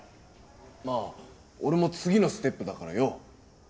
まあ俺も次のステップだからよう！